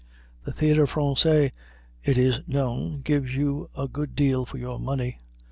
The Théâtre Français, it is known, gives you a good deal for your money.